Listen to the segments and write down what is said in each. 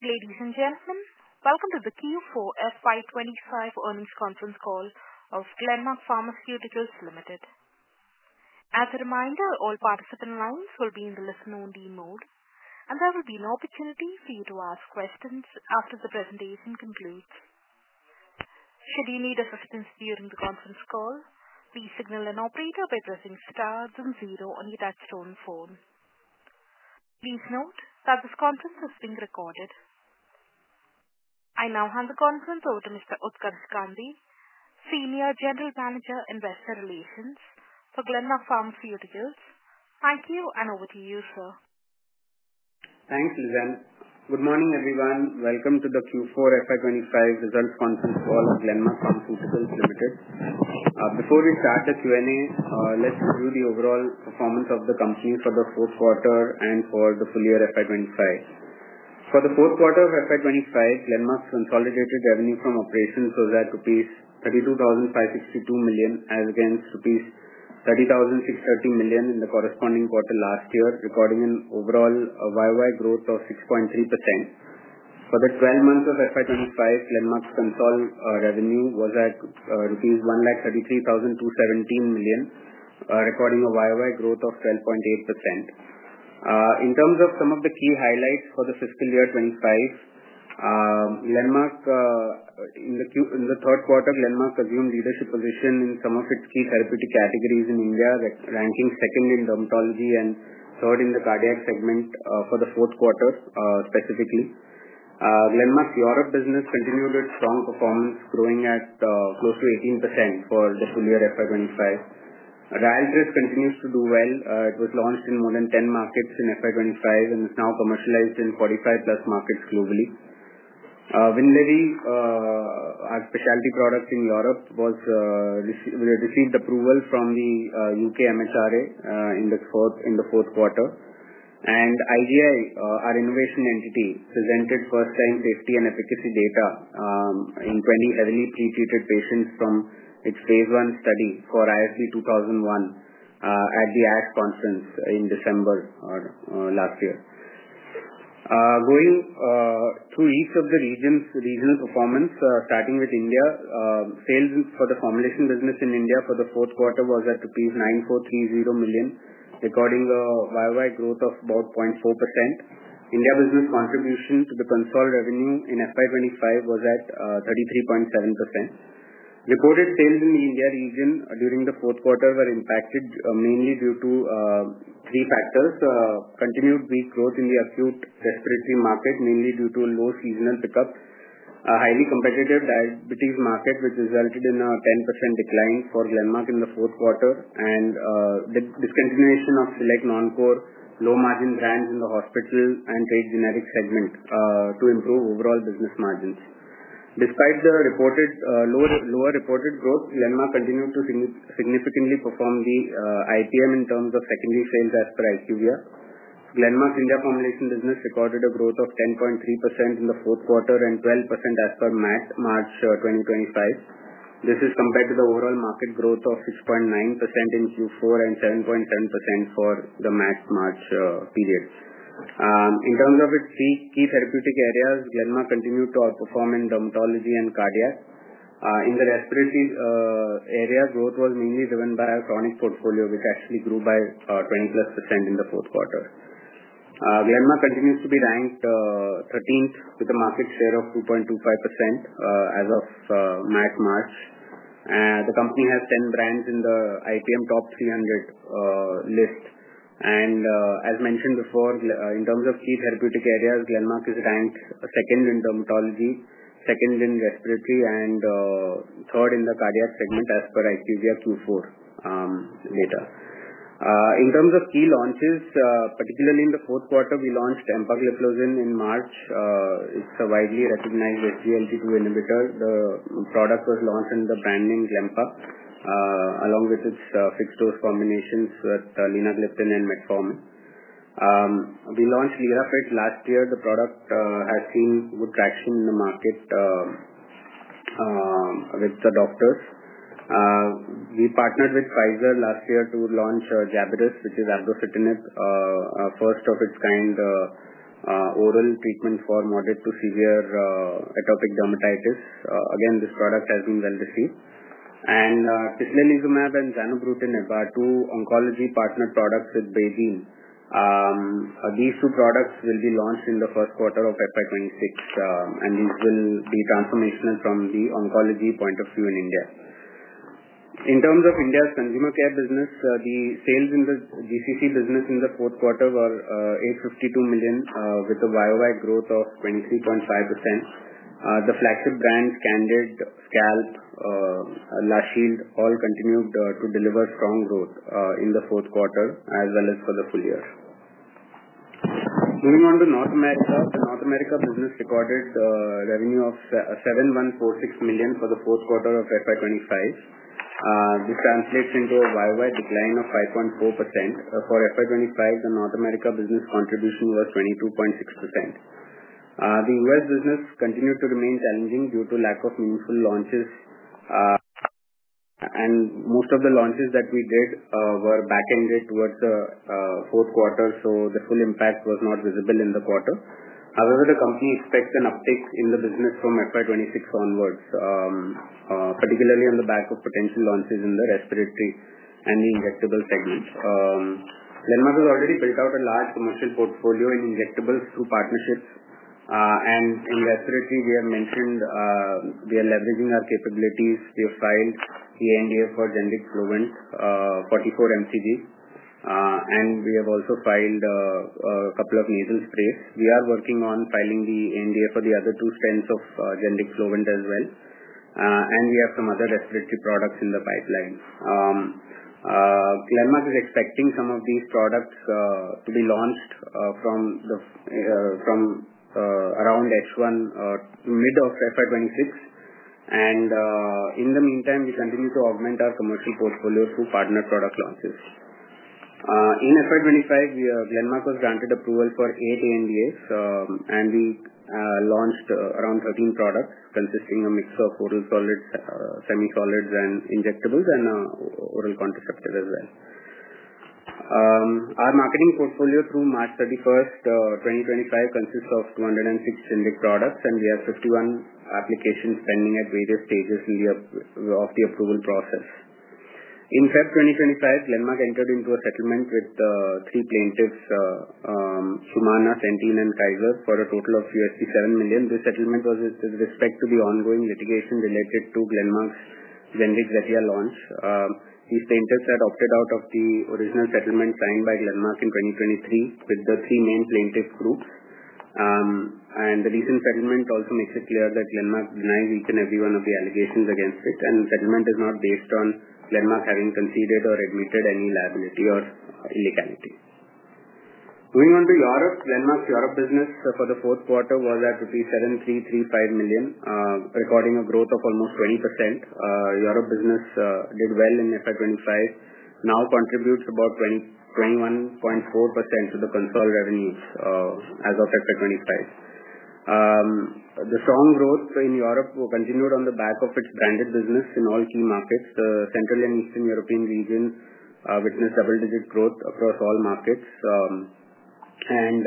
Ladies and gentlemen, welcome to the Q4 FY2025 earnings conference call of Glenmark Pharmaceuticals Limited. As a reminder, all participant lines will be in the listen-only mode, and there will be no opportunity for you to ask questions after the presentation concludes. Should you need assistance during the conference call, please signal an operator by pressing star and zero on your touch-tone phone. Please note that this conference is being recorded. I now hand the conference over to Mr. Utkarsh Gandhi, Senior General Manager Investor Relations for Glenmark Pharmaceuticals. Thank you, and over to you, sir. Thanks, Lizan. Good morning, everyone. Welcome to the Q4 FY2025 results conference call of Glenmark Pharmaceuticals Limited. Before we start the Q&A, let's review the overall performance of the company for the fourth quarter and for the full year FY2025. For the fourth quarter of FY2025, Glenmark's consolidated revenue from operations was at rupees 32,562 million as against rupees 30,630 million in the corresponding quarter last year, recording an overall YoY growth of 6.3%. For the 12 months of FY2025, Glenmark's consolidated revenue was at rupees 133,217 million, recording a YoY growth of 12.8%. In terms of some of the key highlights for the fiscal year 2025, in the third quarter, Glenmark assumed leadership positions in some of its key therapeutic categories in India, ranking second in dermatology and third in the cardiac segment for the fourth quarter specifically. Glenmark's Europe business continued its strong performance, growing at close to 18% for the full year FY2025. Ryaltris continues to do well. It was launched in more than 10 markets in FY2025 and is now commercialized in 45+ markets globally. Winlevi, our specialty product in Europe, received approval from the U.K. MHRA in the fourth quarter, and IGI, our innovation entity, presented first-time safety and efficacy data in 20 heavily pretreated patients from its Phase I study for ISB 2001 at the ASH conference in December last year. Going through each of the regions, regional performance, starting with India, sales for the formulation business in India for the fourth quarter was at rupees 9,430 million, recording a YoY growth of about 0.4%. India business contribution to the consolidated revenue in FY2025 was at 33.7%. Reported sales in the India region during the fourth quarter were impacted mainly due to three factors: continued weak growth in the acute respiratory market, mainly due to low seasonal pickup; a highly competitive diabetes market, which resulted in a 10% decline for Glenmark in the fourth quarter; and discontinuation of select non-core, low-margin brands in the hospital and trade generic segment to improve overall business margins. Despite the lower reported growth, Glenmark continued to significantly perform the IPM in terms of secondary sales as per IQVIA. Glenmark's India formulation business recorded a growth of 10.3% in the fourth quarter and 12% as per March 2025. This is compared to the overall market growth of 6.9% in Q4 and 7.7% for the March period. In terms of its three key therapeutic areas, Glenmark continued to outperform in dermatology and cardiac. In the respiratory area, growth was mainly driven by a chronic portfolio, which actually grew by 20%+ in the fourth quarter. Glenmark continues to be ranked 13th with a market share of 2.25% as of March. The company has 10 brands in the IPM top 300 list. As mentioned before, in terms of key therapeutic areas, Glenmark is ranked second in dermatology, second in respiratory, and third in the cardiac segment as per IQVIA Q4 data. In terms of key launches, particularly in the fourth quarter, we launched Empagliflozin in March. It's a widely recognized SGLT2 inhibitor. The product was launched under the brand name Glempa, along with its fixed-dose combinations with lenagliptin and metformin. We launched Lirafit last year. The product has seen good traction in the market with the doctors. We partnered with Pfizer last year to launch Jabyrus, which is abrocitinib, a first-of-its-kind oral treatment for moderate to severe atopic dermatitis. This product has been well received. Tislelizumab and Zanubrutinib are two oncology-partnered products with BeiGene. These two products will be launched in the first quarter of FY2026, and these will be transformational from the oncology point of view in India. In terms of India's Consumer Care business, the sales in the GCC business in the fourth quarter were 852 million, with a YOY growth of 23.5%. The flagship brands Candid, Scalpe, and La Shield all continued to deliver strong growth in the fourth quarter as well as for the full year. Moving on to North America, the North America business recorded revenue of 7,146 million for the fourth quarter of FY2025. This translates into a YoY decline of 5.4%. For FY2025, the North America business contribution was 22.6%. The U.S. business continued to remain challenging due to lack of meaningful launches, and most of the launches that we did were back-ended towards the fourth quarter, so the full impact was not visible in the quarter. However, the company expects an uptick in the business from FY2026 onwards, particularly on the back of potential launches in the respiratory and the injectable segment. Glenmark has already built out a large commercial portfolio in injectables through partnerships, and in respiratory, we have mentioned we are leveraging our capabilities. We have filed the ANDA for generic Flovent, 44 MCG, and we have also filed a couple of nasal sprays. We are working on filing the ANDA for the other two strengths of generic Flovent as well, and we have some other respiratory products in the pipeline. Glenmark is expecting some of these products to be launched from around H1 to mid of FY2026, and in the meantime, we continue to augment our commercial portfolio through partner product launches. In FY2025, Glenmark was granted approval for eight ANDAs, and we launched around 13 products consisting of a mix of oral solids, semi-solids, and injectables, and an oral contraceptive as well. Our marketing portfolio through March 31st, 2025, consists of 206 generic products, and we have 51 applications pending at various stages of the approval process. In February 2025, Glenmark entered into a settlement with three plaintiffs: Humana, Centene, and Kaiser, for a total of INR 7 million. This settlement was with respect to the ongoing litigation related to Glenmark's generic Zetia launch. These plaintiffs had opted out of the original settlement signed by Glenmark in 2023 with the three main plaintiff groups, and the recent settlement also makes it clear that Glenmark denies each and every one of the allegations against it, and the settlement is not based on Glenmark having conceded or admitted any liability or illegality. Moving on to Europe, Glenmark's Europe business for the fourth quarter was at rupees 7,335 million, recording a growth of almost 20%. Europe business did well in FY2025, now contributes about 21.4% to the consolidated revenues as of FY2025. The strong growth in Europe continued on the back of its branded business in all key markets. The Central and Eastern European region witnessed double-digit growth across all markets, and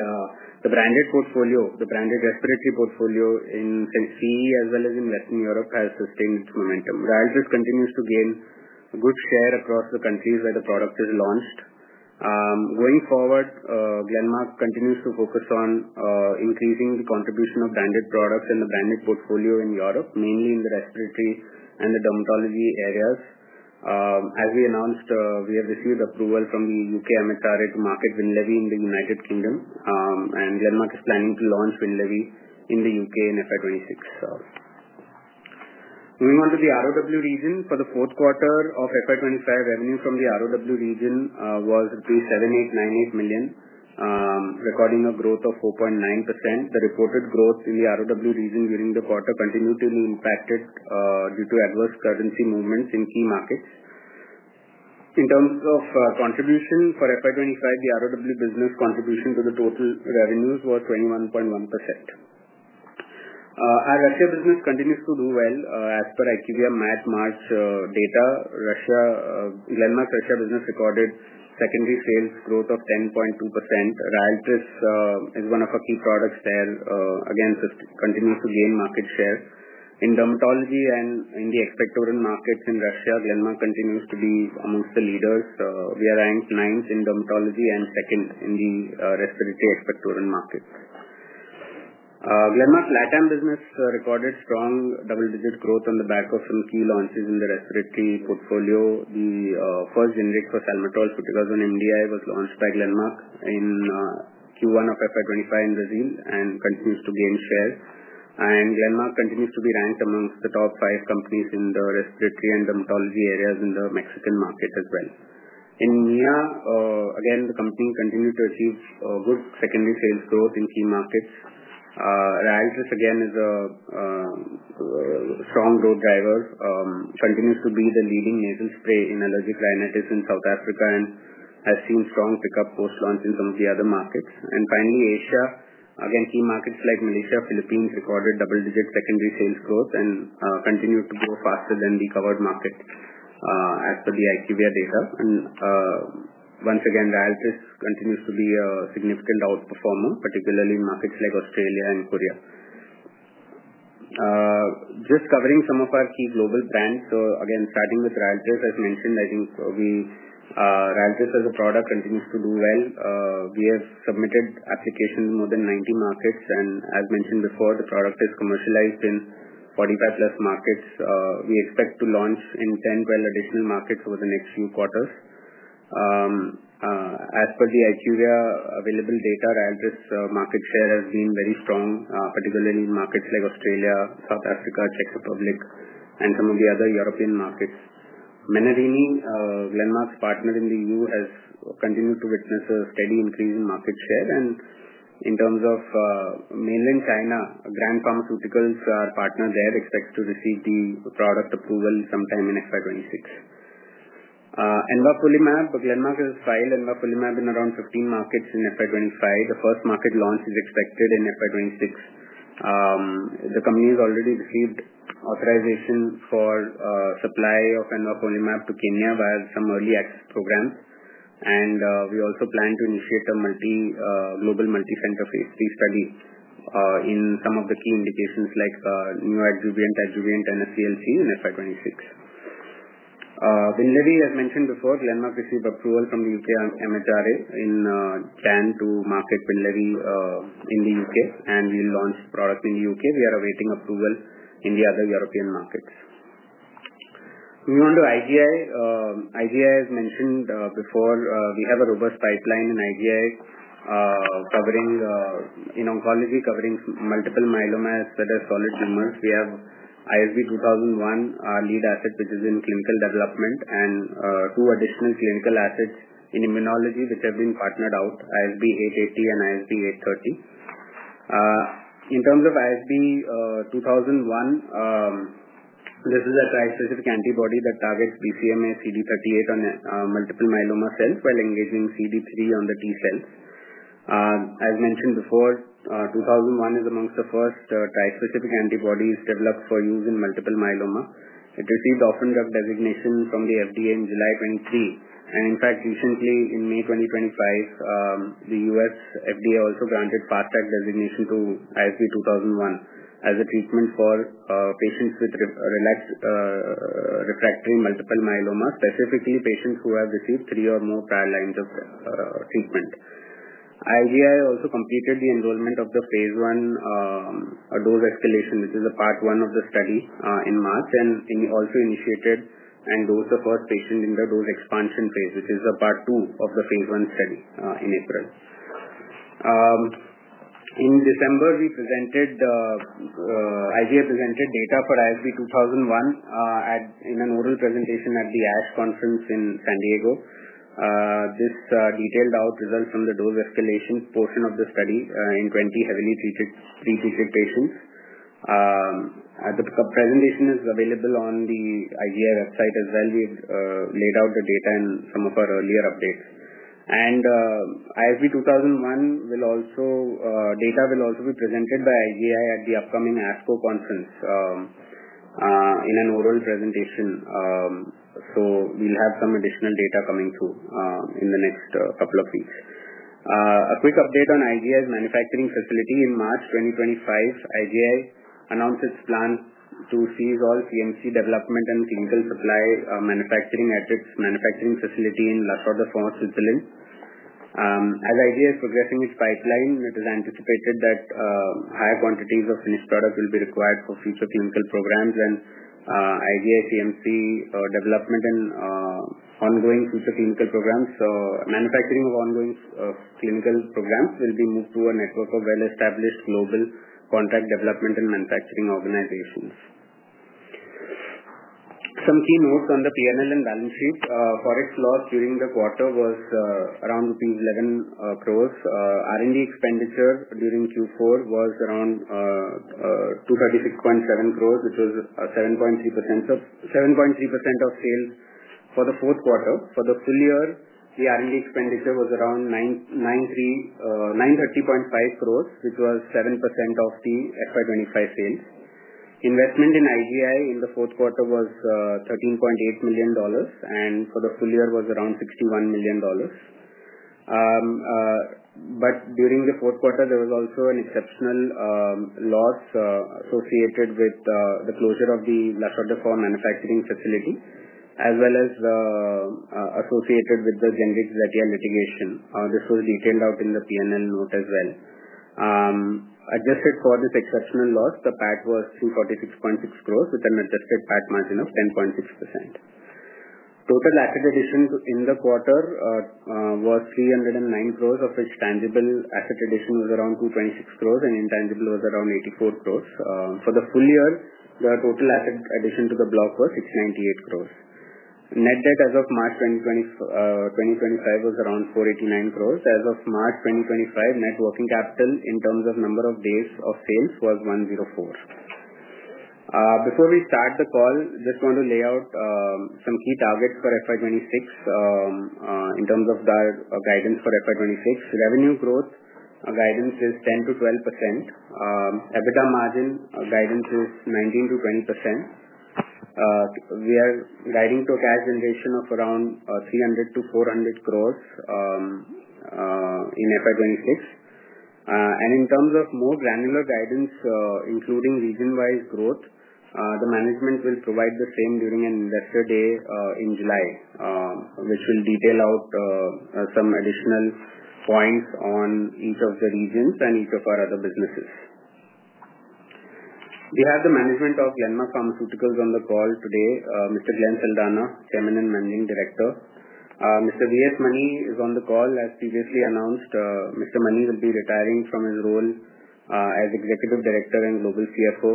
the branded portfolio, the branded respiratory portfolio in CE as well as in Western Europe, has sustained its momentum. Ryaltris continues to gain a good share across the countries where the product is launched. Going forward, Glenmark continues to focus on increasing the contribution of branded products and the branded portfolio in Europe, mainly in the respiratory and the dermatology areas. As we announced, we have received approval from the U.K. MHRA to market Winlevi in the United Kingdom, and Glenmark is planning to launch Winlevi in the U.K. in FY2026. Moving on to the ROW region, for the fourth quarter of FY2025, revenue from the ROW region was 7,898 million rupees, recording a growth of 4.9%. The reported growth in the ROW region during the quarter continued to be impacted due to adverse currency movements in key markets. In terms of contribution for FY2025, the ROW business contribution to the total revenues was 21.1%. Our Russia business continues to do well as per IQVIA's March data. Glenmark's Russia business recorded secondary sales growth of 10.2%. Ryaltris is one of our key products there, again continues to gain market share. In dermatology and in the expectorant markets in Russia, Glenmark continues to be amongst the leaders. We are ranked ninth in dermatology and second in the respiratory expectorant market. Glenmark's LATAM business recorded strong double-digit growth on the back of some key launches in the respiratory portfolio. The first generic for Salbutamol fluticasone MDI was launched by Glenmark in Q1 of FY2025 in Brazil and continues to gain share. Glenmark continues to be ranked amongst the top five companies in the respiratory and dermatology areas in the Mexican market as well. In MEA, again, the company continued to achieve good secondary sales growth in key markets. Ryaltris, again, is a strong growth driver, continues to be the leading nasal spray in allergic rhinitis in South Africa and has seen strong pickup post-launch in some of the other markets. Finally, Asia, again, key markets like Malaysia and Philippines recorded double-digit secondary sales growth and continued to grow faster than the covered market as per the IQVIA data. Once again, Ryaltris continues to be a significant outperformer, particularly in markets like Australia and Korea. Just covering some of our key global brands, so again, starting with Ryaltris, as mentioned, I think Ryaltris as a product continues to do well. We have submitted applications in more than 90 markets, and as mentioned before, the product is commercialized in 45+ markets. We expect to launch in 10-12 additional markets over the next few quarters. As per the IQVIA available data, Ryaltris' market share has been very strong, particularly in markets like Australia, South Africa, Czech Republic, and some of the other European markets. Menarini, Glenmark's partner in the EU, has continued to witness a steady increase in market share, and in terms of mainland China, Grant Pharmaceuticals, our partner there, expects to receive the product approval sometime in FY2026. Envafolimab, Glenmark has filed Envafolimab in around 15 markets in FY2025. The first market launch is expected in FY2026. The company has already received authorization for supply of Envafolimab to Kenya via some early access programs, and we also plan to initiate a global multi-center phase three study in some of the key indications like neoadjuvant, adjuvant, and NSCLC in FY2026. Winlevi, as mentioned before, Glenmark received approval from the U.K. MHRA in Cannes to market Winlevi in the U.K., and we launched the product in the U.K. We are awaiting approval in the other European markets. Moving on to IGI, IGI, as mentioned before, we have a robust pipeline in IGI covering in oncology, covering multiple myelomas that are solid tumors. We have ISB 2001, our lead asset, which is in clinical development, and two additional clinical assets in immunology, which have been partnered out: ISB 880 and ISB 830. In terms of ISB 2001, this is a trispecific antibody that targets BCMA CD38 on multiple myeloma cells while engaging CD3 on the T cells. As mentioned before, 2001 is amongst the first trispecific antibodies developed for use in multiple myeloma. It received orphan drug designation from the FDA in July 2023, and in fact, recently, in May 2025, the US FDA also granted fast-track designation to ISB 2001 as a treatment for patients with refractory multiple myeloma, specifically patients who have received three or more prior lines of treatment. IGI also completed the enrollment of the phase one dose escalation, which is the part one of the study in March, and also initiated and dosed the first patient in the dose expansion phase, which is the part two of the phase one study in April. In December, IGI presented data for ISB 2001 in an oral presentation at the ASH conference in San Diego. This detailed out results from the dose escalation portion of the study in 20 heavily treated patients. The presentation is available on the IGI website as well. We laid out the data and some of our earlier updates. ISB 2001 data will also be presented by IGI at the upcoming ASCO conference in an oral presentation, so we'll have some additional data coming through in the next couple of weeks. A quick update on IGI's manufacturing facility. In March 2025, IGI announced its plan to cease all CMC development and clinical supply manufacturing at its manufacturing facility in La Chaux-de-Fonds, Switzerland. As IGI is progressing its pipeline, it is anticipated that higher quantities of finished products will be required for future clinical programs, and IGI CMC development and ongoing future clinical programs, so manufacturing of ongoing clinical programs will be moved to a network of well-established global contract development and manufacturing organizations. Some key notes on the P&L and balance sheet: forex loss during the quarter was around rupees 11 crore. R&D expenditure during Q4 was around 236.7 crore, which was 7.3% of sales for the fourth quarter. For the full year, the R&D expenditure was around 930.5 crores, which was 7% of the FY2025 sales. Investment in IGI in the fourth quarter was $13.8 million, and for the full year was around $61 million. During the fourth quarter, there was also an exceptional loss associated with the closure of the La Chaux-de-Fonds manufacturing facility, as well as associated with the generic Zetia litigation. This was detailed out in the P&L note as well. Adjusted for this exceptional loss, the PAT was 246.6 crores with an adjusted PAT margin of 10.6%. Total asset addition in the quarter was INR 309 crores, of which tangible asset addition was around INR 226 crores and intangible was around INR 84 crores. For the full year, the total asset addition to the block was INR 698 crores. Net debt as of March 2025 was around INR 489 crores. As of March 2025, net working capital in terms of number of days of sales was INR 104. Before we start the call, just want to lay out some key targets for FY2026 in terms of the guidance for FY2026. Revenue growth guidance is 10%-12%. EBITDA margin guidance is 19%-20%. We are guiding to a cash generation of around 300 crores-400 crores in FY2026. In terms of more granular guidance, including region-wise growth, the management will provide the same during an investor day in July, which will detail out some additional points on each of the regions and each of our other businesses. We have the management of Glenmark Pharmaceuticals on the call today, Mr. Glenn Saldanha, Chairman and Managing Director. Mr. V. S. Mani is on the call. As previously announced, Mr. Mani will be retiring from his role as Executive Director and Global CFO.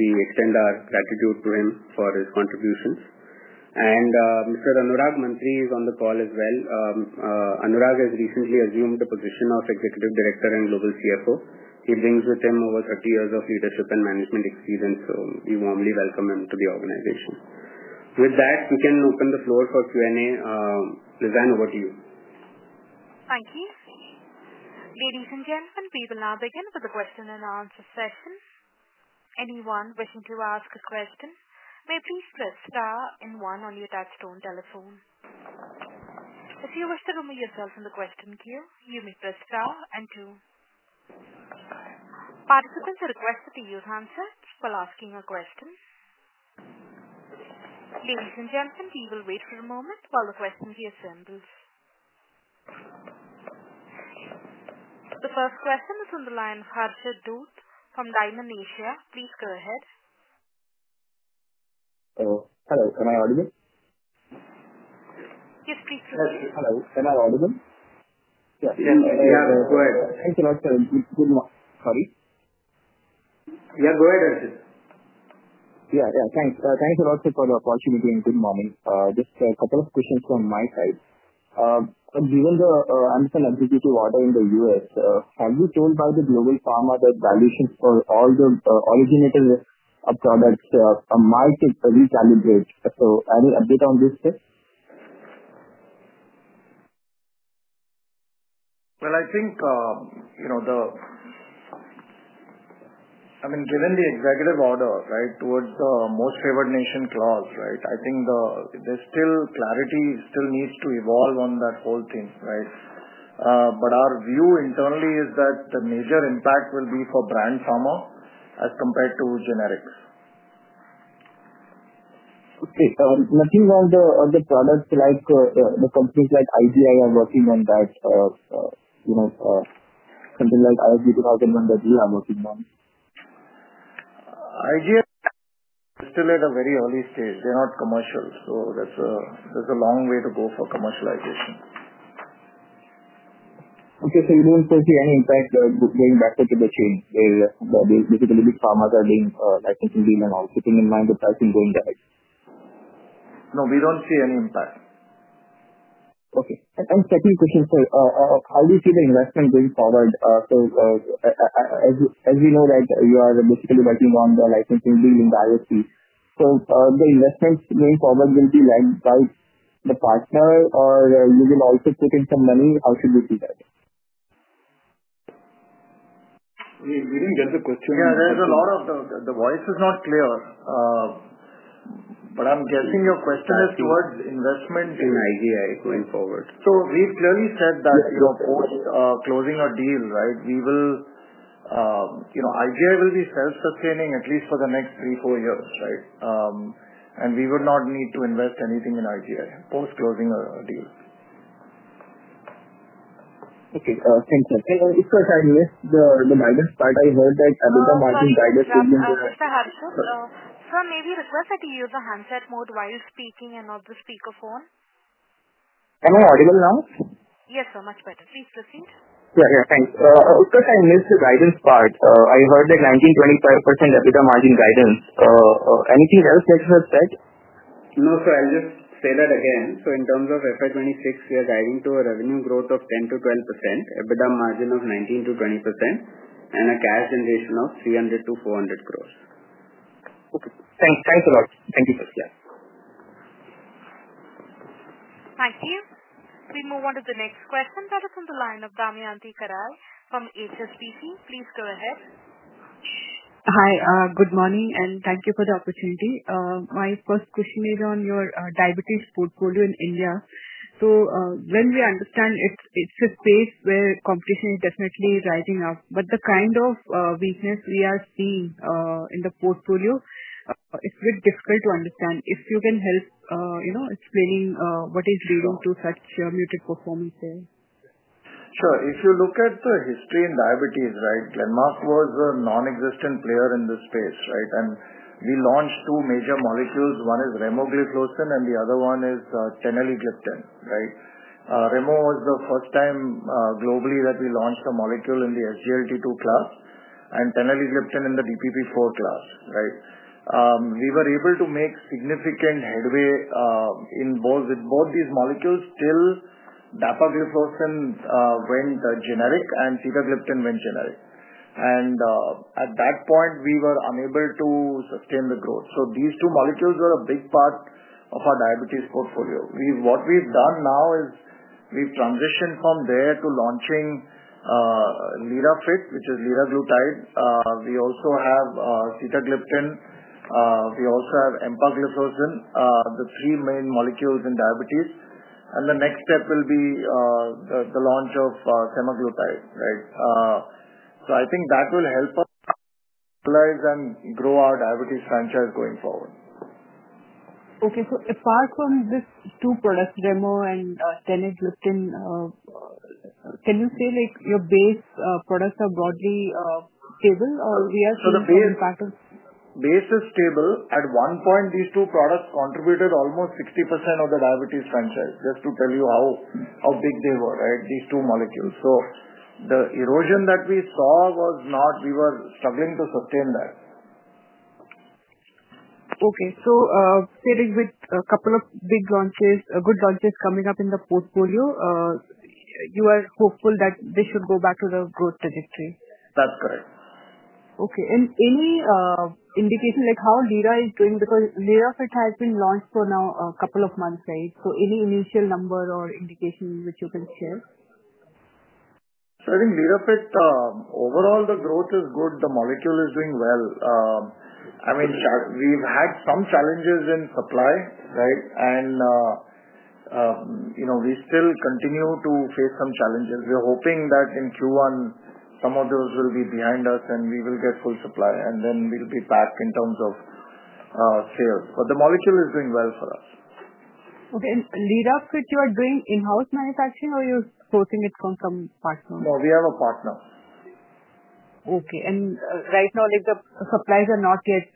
We extend our gratitude to him for his contributions. Mr. Anurag Mantri is on the call as well. Anurag has recently assumed the position of Executive Director and Global CFO. He brings with him over 30 years of leadership and management experience, so we warmly welcome him to the organization. With that, we can open the floor for Q&A. Lizan, over to you. Thank you. Ladies and gentlemen, we will now begin with the question-and-answer session. Anyone wishing to ask a question may please press star and one on the attached phone telephone. If you wish to remain yourself in the question queue, you may press star and two. Participants are requested to use handsets while asking a question. Ladies and gentlemen, we will wait for a moment while the question queue assembles. The first question is from the line of Harshit Dhoot from Dymon Asia. Please go ahead. Hello. Am I audible? Yes, please do. Hello. Am I audible? Yes. Yes. Yeah. Go ahead. Thank you a lot, sir. Good morning. Sorry. Yeah. Go ahead, Harshit. Yeah. Yeah. Thanks. Thanks a lot, sir, for the opportunity and good morning. Just a couple of questions from my side. Given the ANDA's and executive order in the U.S., have you been told by the global pharma that valuations for all the originator products might recalibrate? So any update on this, sir? I think, I mean, given the executive order, right, towards the most favored nation clause, right, I think there's still clarity, still needs to evolve on that whole thing, right? Our view internally is that the major impact will be for brand pharma as compared to generics. Okay. Nothing on the other products like the companies like IGI are working on that, something like ISB 2001 that we are working on? IGI is still at a very early stage. They're not commercial, so there's a long way to go for commercialization. Okay. You don't foresee any impact going backwards to the chain where these little pharmas are being licensing deal and all, keeping in mind the pricing going down? No, we don't see any impact. Okay. Second question, sir, how do you see the investment going forward? As we know that you are basically working on the licensing deal in the IOC. The investments going forward will be led by the partner, or you will also put in some money? How should we see that? We didn't get the question. Yeah. There's a lot of the voice is not clear, but I'm guessing your question is towards investment in IGI going forward. We've clearly said that post-closing our deal, IGI will be self-sustaining at least for the next three-four years, right? We would not need to invest anything in IGI post-closing our deal. Okay. Thank you. If I missed the guidance part, I heard that EBITDA margin guidance is in the. Mr. Harshit. Sir, may we request that you use the handset mode while speaking and not the speakerphone? Am I audible now? Yes, sir. Much better. Please proceed. Yeah. Thanks. Because I missed the guidance part, I heard that 19%-25% EBITDA margin guidance. Anything else that you have said? No, sir. I'll just say that again. In terms of FY2026, we are guiding to a revenue growth of 10%-12%, EBITDA margin of 19%-20%, and a cash generation of 300 crore-400 crore. Okay. Thanks. Thanks a lot. Thank you, sir. Yeah. Thank you. We move on to the next question. That is from the line of Damayanti Kerai from HSBC. Please go ahead. Hi. Good morning, and thank you for the opportunity. My first question is on your diabetes portfolio in India. We understand it's a space where competition is definitely rising up, but the kind of weakness we are seeing in the portfolio is a bit difficult to understand. If you can help explaining what is leading to such muted performance there. Sure. If you look at the history in diabetes, right, Glenmark was a non-existent player in this space, right? We launched two major molecules. One is Remogliflozin, and the other one is Teneligliptin, right? Remo was the first time globally that we launched a molecule in the SGLT2 class and Teneligliptin in the DPP4 class, right? We were able to make significant headway with both these molecules till Dapagliflozin went generic and Sitagliptin went generic. At that point, we were unable to sustain the growth. These two molecules were a big part of our diabetes portfolio. What we've done now is we've transitioned from there to launching Lirafit, which is liraglutide. We also have Sitagliptin. We also have Empagliflozin, the three main molecules in diabetes. The next step will be the launch of Semaglutide, right? I think that will help us stabilize and grow our diabetes franchise going forward. Okay. Apart from these two products, Remogliflozin and Teneligliptin, can you say your base products are broadly stable, or we are seeing some impact of? The base is stable. At one point, these two products contributed almost 60% of the diabetes franchise, just to tell you how big they were, right, these two molecules. The erosion that we saw was not, we were struggling to sustain that. Okay. Sitting with a couple of big launches, good launches coming up in the portfolio, you are hopeful that they should go back to the growth trajectory. That's correct. Okay. Any indication how Lirafit is doing? Because Lirafit has been launched for now a couple of months, right? Any initial number or indication which you can share? I think Lirafit, overall, the growth is good. The molecule is doing well. I mean, we've had some challenges in supply, right? We still continue to face some challenges. We're hoping that in Q1, some of those will be behind us, and we will get full supply, and then we'll be back in terms of sales. The molecule is doing well for us. Okay. Lirafit, you are doing in-house manufacturing, or you're sourcing it from some partner? No, we have a partner. Okay. Right now, the supplies are not yet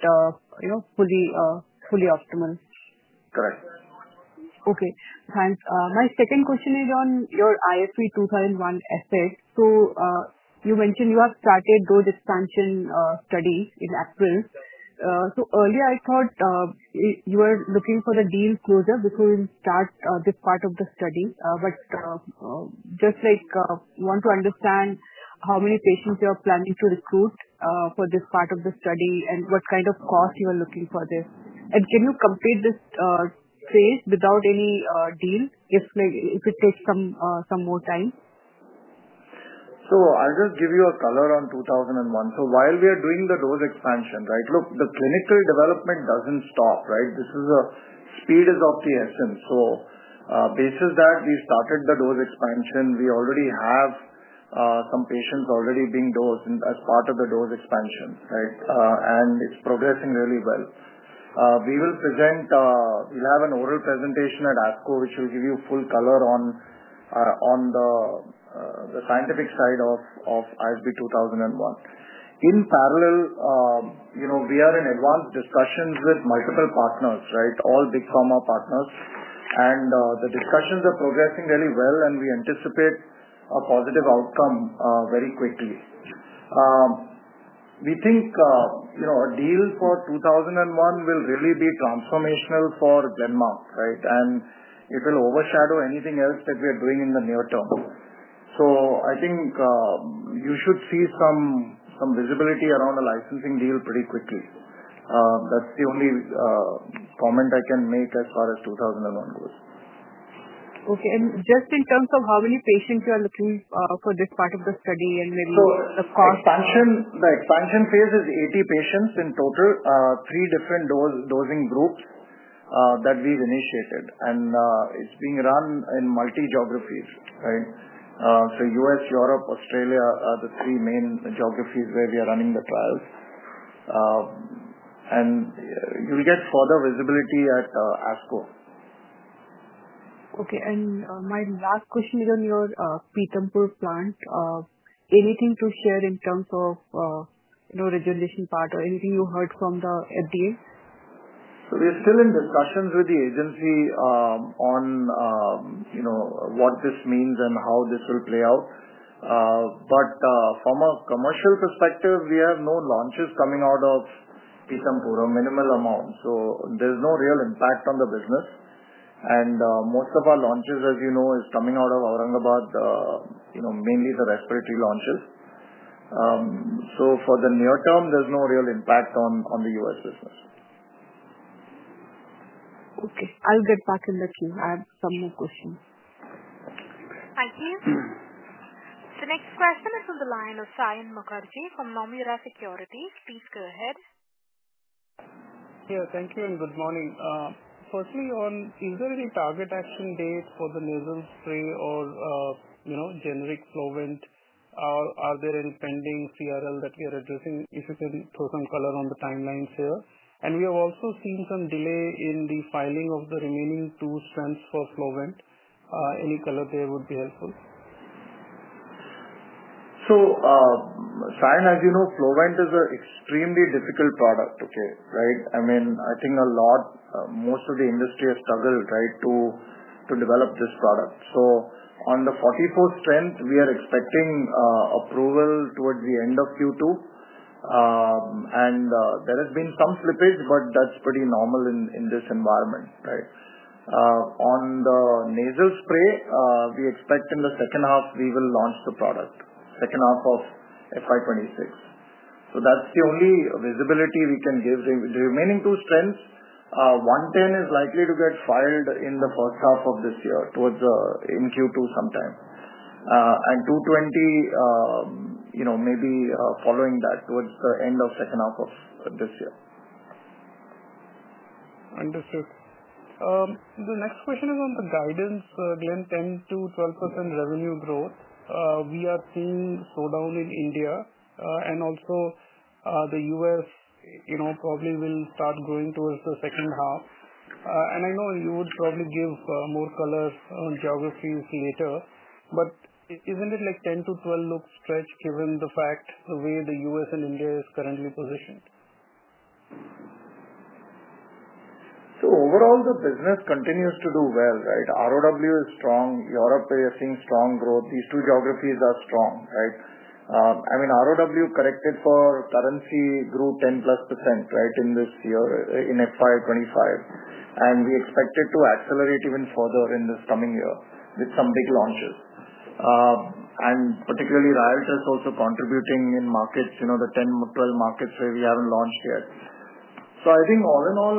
fully optimal. Correct. Okay. Thanks. My second question is on your ISB 2001 asset. You mentioned you have started those expansion studies in April. Earlier, I thought you were looking for the deal closer before we start this part of the study. Just want to understand how many patients you are planning to recruit for this part of the study and what kind of cost you are looking for this. Can you complete this phase without any deal if it takes some more time? I'll just give you a color on 2001. While we are doing the dose expansion, right, look, the clinical development doesn't stop, right? Speed is of the essence. Basis that, we started the dose expansion. We already have some patients already being dosed as part of the dose expansion, right? It's progressing really well. We will present, we'll have an oral presentation at ASCO, which will give you full color on the scientific side of ISB 2001. In parallel, we are in advanced discussions with multiple partners, all big pharma partners. The discussions are progressing really well, and we anticipate a positive outcome very quickly. We think a deal for 2001 will really be transformational for Glenmark, right? It will overshadow anything else that we are doing in the near term. I think you should see some visibility around a licensing deal pretty quickly. That's the only comment I can make as far as 2001 goes. Okay. Just in terms of how many patients you are looking for this part of the study and maybe the cost? The expansion phase is 80 patients in total, three different dosing groups that we've initiated. It's being run in multi-geographies, right? U.S., Europe, Australia are the three main geographies where we are running the trials. You'll get further visibility at ASCO. Okay. My last question is on your Pithampur plant. Anything to share in terms of the regulation part or anything you heard from the FDA? We're still in discussions with the agency on what this means and how this will play out. From a commercial perspective, we have no launches coming out of Pithampur or minimal amount. There's no real impact on the business. Most of our launches, as you know, are coming out of Aurangabad, mainly the respiratory launches. For the near term, there's no real impact on the U.S. business. Okay. I'll get back in the queue. I have some more questions. Thank you. The next question is from the line of Saion Mukherjee from Nomura Securities. Please go ahead. Yeah. Thank you and good morning. Firstly, is there any target action date for the nasal spray or generic Flovent? Are there any pending CRL that we are addressing? If you can throw some color on the timelines here. We have also seen some delay in the filing of the remaining two strengths for Flovent. Any color there would be helpful? Saion, as you know, Flovent is an extremely difficult product, right? I mean, I think a lot, most of the industry has struggled, right, to develop this product. On the 44 strength, we are expecting approval towards the end of Q2. There has been some slippage, but that's pretty normal in this environment, right? On the nasal spray, we expect in the second half, we will launch the product, second half of FY2026. That's the only visibility we can give. The remaining two strengths, 110 is likely to get filed in the first half of this year, in Q2 sometime. 220 maybe following that towards the end of second half of this year. Understood. The next question is on the guidance, Glenn, 10%-12% revenue growth. We are seeing slowdown in India, and also the U.S. probably will start growing towards the second half. I know you would probably give more color on geographies later, but isn't it like 10%-12% looks stretched given the fact the way the U.S. and India is currently positioned? Overall, the business continues to do well, right? ROW is strong. Europe is seeing strong growth. These two geographies are strong, right? I mean, ROW corrected for currency grew 10%+ in this year in FY2025. We expect it to accelerate even further in this coming year with some big launches. Particularly, Ryaltris is also contributing in markets, the 10-12 markets where we have not launched yet. I think all in all,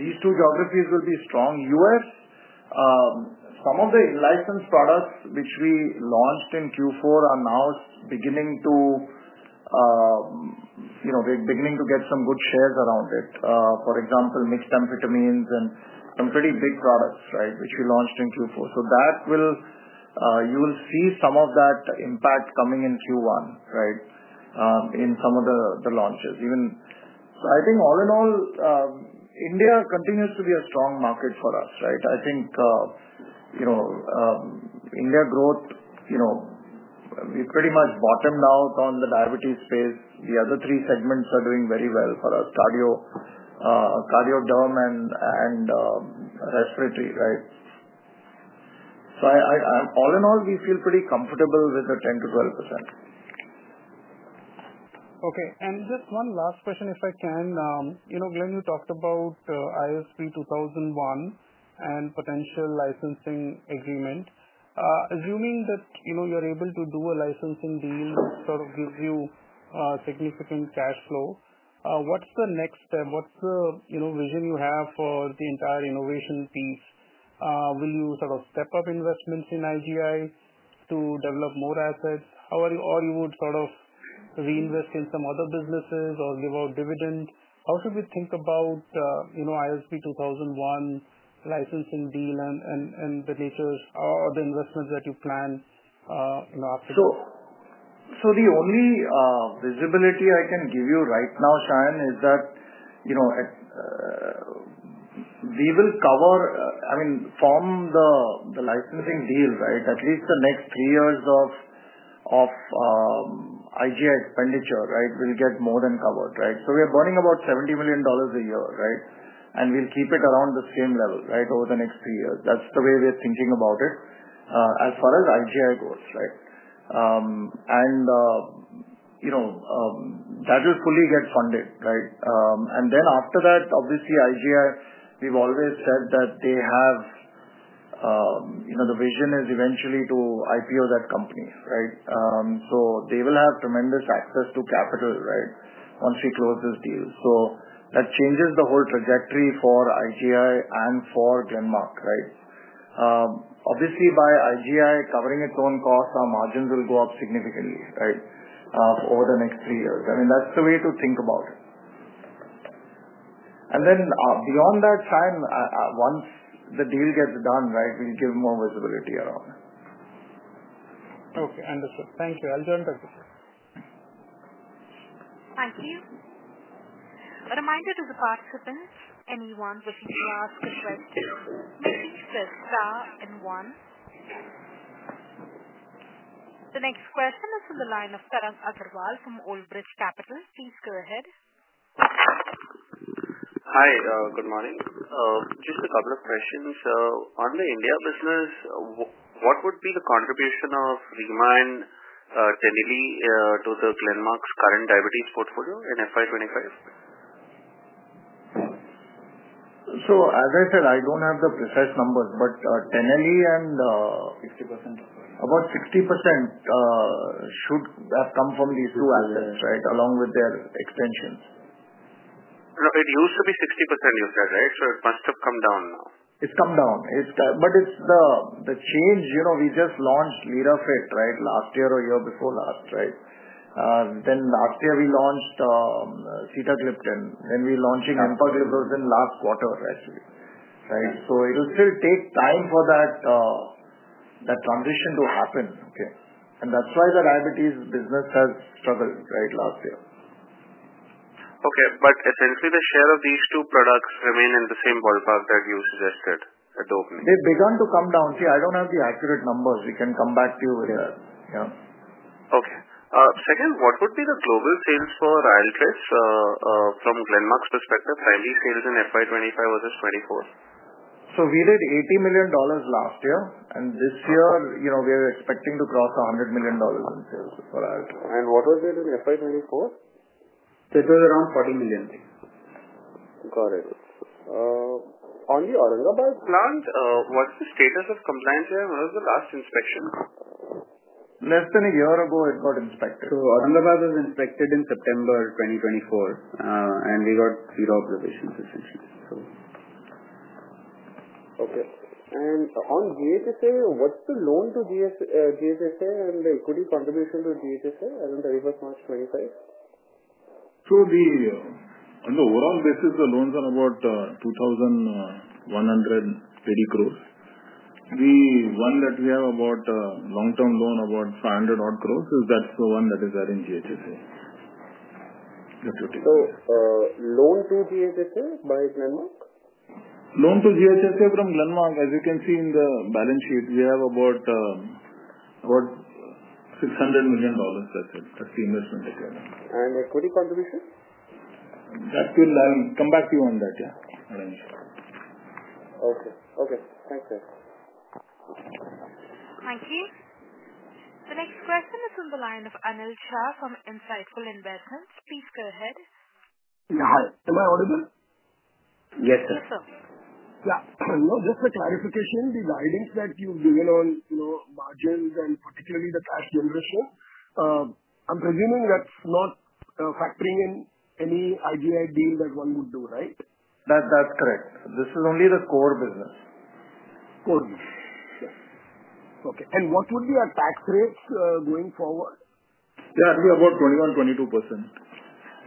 these two geographies will be strong. U.S., some of the in-licensed products which we launched in Q4 are now beginning to get some good shares around it. For example, mixed amphetamines and some pretty big products, right, which we launched in Q4. You will see some of that impact coming in Q1, right, in some of the launches. I think all in all, India continues to be a strong market for us, right? I think India growth, we pretty much bottomed out on the diabetes space. The other three segments are doing very well for us: cardio, derm, and respiratory, right? All in all, we feel pretty comfortable with the 10%-12%. Just one last question, if I can. Glenn, you talked about ISB 2001 and potential licensing agreement. Assuming that you're able to do a licensing deal that sort of gives you significant cash flow, what's the next step? What's the vision you have for the entire innovation piece? Will you sort of step up investments in IGI to develop more assets? Or you would sort of reinvest in some other businesses or give out dividends? How should we think about ISB 2001 licensing deal and the nature or the investments that you plan after this? The only visibility I can give you right now, Saion, is that we will cover, I mean, from the licensing deal, at least the next three years of IGI expenditure, we'll get more than covered, right? We are burning about $70 million a year, right? We'll keep it around the same level, right, over the next three years. That's the way we're thinking about it as far as IGI goes, right? That will fully get funded, right? After that, obviously, IGI, we've always said that the vision is eventually to IPO that company, right? They will have tremendous access to capital, right, once we close this deal. That changes the whole trajectory for IGI and for Glenmark, right? Obviously, by IGI covering its own costs, our margins will go up significantly, right, over the next three years. I mean, that's the way to think about it. Beyond that, Saion, once the deal gets done, right, we'll give more visibility around it. Okay. Understood. Thank you. I'll join the group. Thank you. A reminder to the participants. Anyone wishing to ask a question may please press star and one. The next question is from the line of Tarang Agrawal from Old Bridge Capital. Please go ahead. Hi. Good morning. Just a couple of questions. On the India business, what would be the contribution of Remogliflozin and Teneligliptin to Glenmark's current diabetes portfolio in FY2025? So as I said, I don't have the precise numbers, but Teneligliptin and 60% of about 60% should have come from these two assets, right, along with their extensions. It used to be 60%, you said, right? It must have come down now. It's come down. It's the change. We just launched Lirafit, right, last year or a year before last, right? Last year, we launched Sitagliptin. We are launching Empagliflozin last quarter, right? It will still take time for that transition to happen, okay? That's why the diabetes business has struggled, right, last year. Okay. Essentially, the share of these two products remained in the same ballpark that you suggested at the opening. They've begun to come down. See, I don't have the accurate numbers. We can come back to you with that. Yeah. Okay. Second, what would be the global sales for Ryaltris from Glenmark's perspective, primary sales in FY2025 versus 2024? We did $80 million last year. This year, we are expecting to cross $100 million in sales for Ryaltris. What was it in FY2024? It was around $40 million. Got it. On the Aurangabad plant, what's the status of compliance here? When was the last inspection? Less than a year ago, it got inspected. Aurangabad was inspected in September 2024. We got zero observations, essentially. On GHSA, what is the loan to GHSA and the equity contribution to GHSA as of the reverse March 2025? On the overall basis, the loans are about 2,180 crore. The one that we have, about long-term loan, about INR 500-odd crore, is the one that is there in GHSA. Loan to GHSA by Glenmark? Loan to GHSA from Glenmark, as you can see in the balance sheet, we have about $600 million, let's say, as the investment that we have done. And equity contribution? That, we will come back to you on that, yeah, arrange. Okay. Okay. Thank you. Thank you. The next question is from the line of Anil Shah from Insightful Investments. Please go ahead. Hi. Am I audible? Yes, sir. Yes, sir. Yeah. No, just a clarification. The guidance that you've given on margins and particularly the cash generation, I'm presuming that's not factoring in any IGI deal that one would do, right? That's correct. This is only the core business. Core business. Okay. What would be our tax rates going forward? Yeah. It'll be about 21%-22%.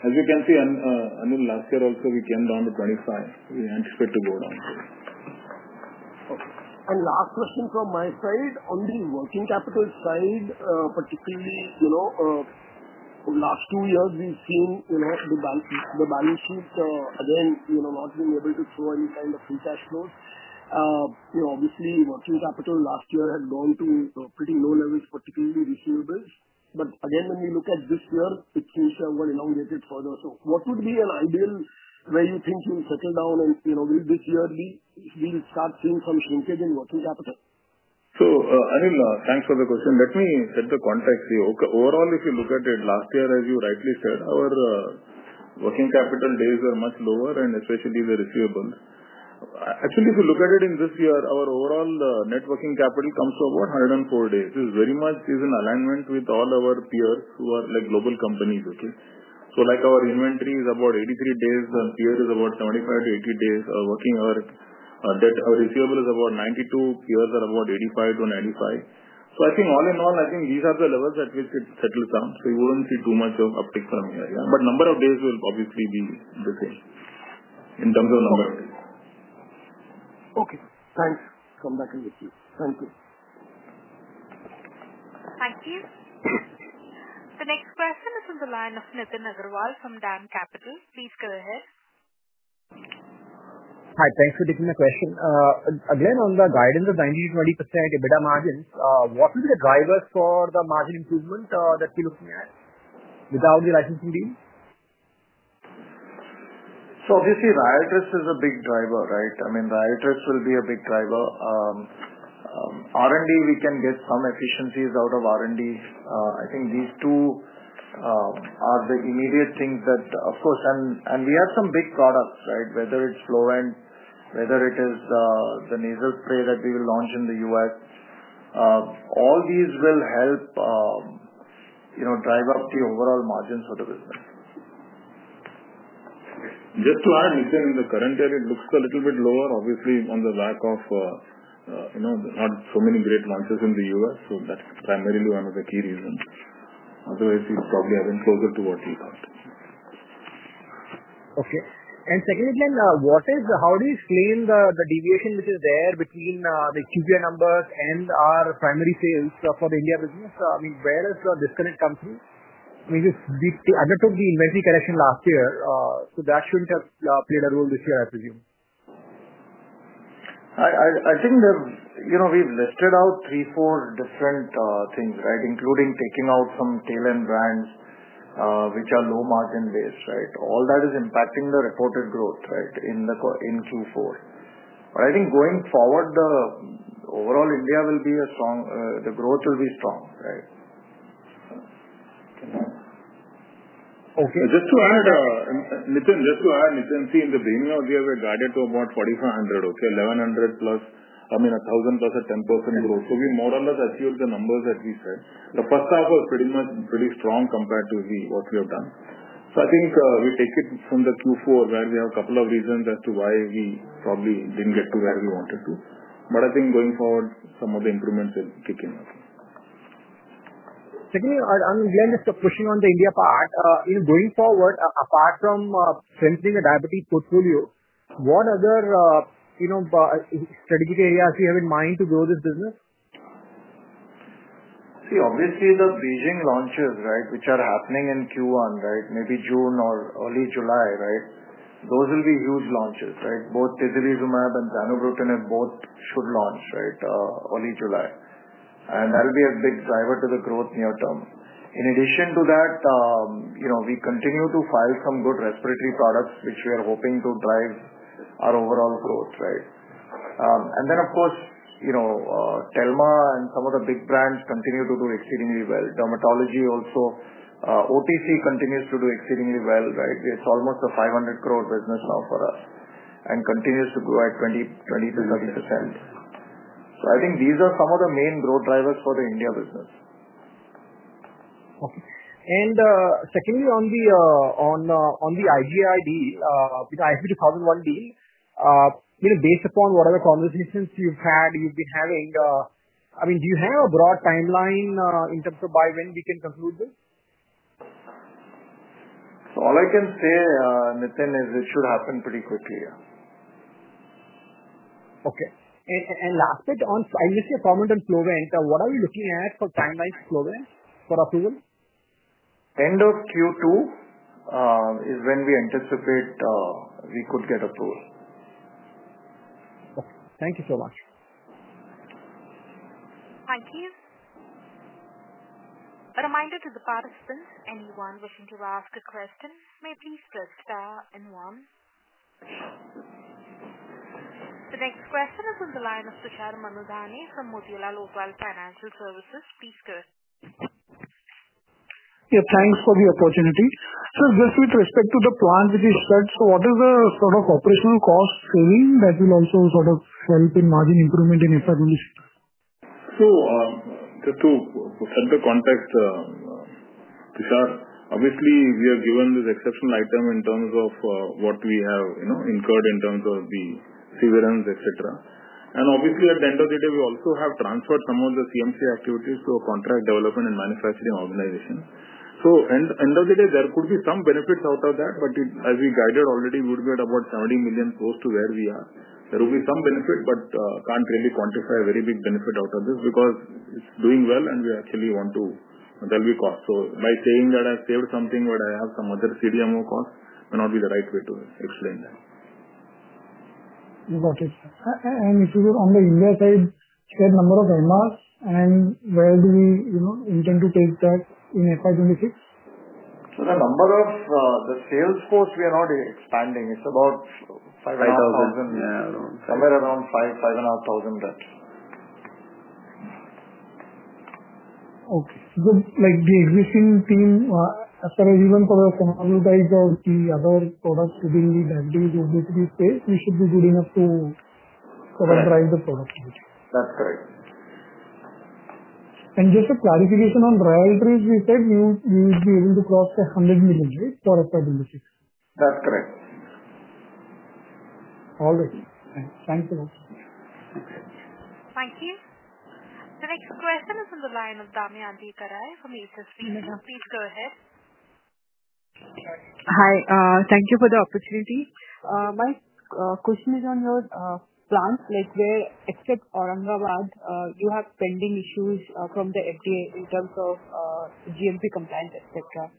As you can see, Anil, last year also, we came down to 25%. We anticipate to go down to. Okay. Last question from my side, on the working capital side, particularly over the last two years, we've seen the balance sheet, again, not being able to throw any kind of free cash flows. Obviously, working capital last year had gone to pretty low levels, particularly receivables. Again, when you look at this year, it seems to have got elongated further. What would be an ideal where you think you'll settle down, and will this year be we'll start seeing some shrinkage in working capital? Anil, thanks for the question. Let me set the context here. Overall, if you look at it, last year, as you rightly said, our working capital days were much lower, and especially the receivables. Actually, if you look at it in this year, our overall net working capital comes to about 104 days, which very much is in alignment with all our peers who are global companies, okay? Our inventory is about 83 days. The peer is about 75-80 days of working work. Our receivables are about 92. Peers are about 85-95. I think all in all, I think these are the levels at which it settles down. You would not see too much of an uptick from here, yeah? Number of days will obviously be the same in terms of number of days. Okay. Thanks. Come back and get you. Thank you. Thank you. The next question is from the line of Nitin Agrawal from DAM Capital. Please go ahead. Hi. Thanks for taking the question. Again, on the guidance of 19%-20% EBITDA margins, what would be the drivers for the margin improvement that we are looking at without the licensing deal? Ryaltris is a big driver, right? I mean, Ryaltris will be a big driver. R&D, we can get some efficiencies out of R&D. I think these two are the immediate things that, of course, and we have some big products, right? Whether it's Flovent, whether it is the nasal spray that we will launch in the U.S., all these will help drive up the overall margins for the business. Just to add, Nitin, in the current year, it looks a little bit lower, obviously, on the lack of not so many great launches in the U.S. That is primarily one of the key reasons. Otherwise, we probably are even closer to what we thought. Okay. Secondly, Glenn, how do you explain the deviation which is there between the IQVIA numbers and our primary sales for the India business? I mean, where does this current come through? I mean, we undertook the inventory correction last year. That should not have played a role this year, I presume. I think we have listed out three, four different things, right, including taking out some tail-end brands which are low-margin-based, right? All that is impacting the reported growth, right, in Q4. I think going forward, the overall India will be a strong, the growth will be strong, right? Okay. Just to add, Nitin, just to add, Nitin, see, in the beginning, we were guided to about 4,500, okay? 1,100+, I mean, 1,000+ a 10% growth. We more or less achieved the numbers that we said. The first half was pretty strong compared to what we have done. I think we take it from the Q4 where we have a couple of reasons as to why we probably did not get to where we wanted to. I think going forward, some of the improvements will kick in, okay? Secondly, Glenn, just pushing on the India part. Going forward, apart from strengthening the diabetes portfolio, what other strategic areas do you have in mind to grow this business? See, obviously, the BeiGene launches, right, which are happening in Q1, right, maybe June or early July, right? Those will be huge launches, right? Both Tislelizumab and Zanubrutinib both should launch, right, early July. And that'll be a big driver to the growth near term. In addition to that, we continue to file some good respiratory products, which we are hoping to drive our overall growth, right? And then, of course, Telma and some of the big brands continue to do exceedingly well. Dermatology also, OTC continues to do exceedingly well, right? It's almost an 500 crore business now for us and continues to grow at 20%-30%. I think these are some of the main growth drivers for the India business. Okay. Secondly, on the IGI deal, ISB 2001 deal, based upon whatever conversations you've had, you've been having, I mean, do you have a broad timeline in terms of by when we can conclude this? All I can say, Nitin, is it should happen pretty quickly, yeah. Okay. Last bit on, I missed your comment on Flovent. What are you looking at for timeline for Flovent for approval? End of Q2 is when we anticipate we could get approval. Okay. Thank you so much. Thank you. A reminder to the participants. Anyone wishing to ask a question, may please press star and one. The next question is from the line of Tushar Manudhane from Motilal Oswal Financial Services. Please go ahead. Yeah. Thanks for the opportunity. Sir, just with respect to the plan which is set, what is the sort of operational cost saving that will also sort of help in margin improvement in FY2025? Just to set the context, Tushar, obviously, we are given this exceptional item in terms of what we have incurred in terms of the severance, etc. Obviously, at the end of the day, we also have transferred some of the CMC activities to a contract development and manufacturing organization. At the end of the day, there could be some benefits out of that, but as we guided already, we would get about 70 million close to where we are. There will be some benefit, but cannot really quantify a very big benefit out of this because it is doing well, and we actually want to there will be costs. By saying that I've saved something, but I have some other CDMO costs, may not be the right way to explain that. Got it. If you look on the India side, you said number of MRs, and where do we intend to take that in FY2026? The number of the sales force, we are not expanding. It's about 5,000. Yeah. Around 5,000. Somewhere around 5,000-5,500. Okay. The existing team, as far as even for the formal guides or the other products within the diabetes obesity space, we should be good enough to cover the productivity. That's correct. Just a clarification on Ryaltris, you said we would be able to cross the $100 million, right, for FY2026? That's correct. All right. Thanks a lot. Okay. Thank you. The next question is from the line of Damayanti Kerai from HSBC. Please go ahead. Hi. Thank you for the opportunity. My question is on your plant, where except Aurangabad, you have pending issues from the FDA in terms of GMP compliance, etc.